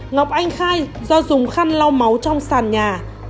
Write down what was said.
ngọc anh khai do dùng khăn lau máu trong sàn nhà